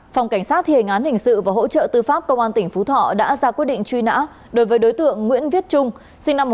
phòng an ninh điều tra công an tỉnh phú thọ đã ra quyết định truy nã đối với đối tượng vũ ngọc mô